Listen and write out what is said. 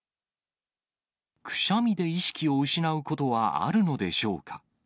くしゃみで意識を失うことはあるのでしょうか。